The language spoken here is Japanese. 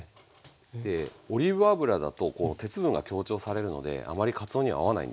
でオリーブ油だと鉄分が強調されるのであまりかつおには合わないんですね。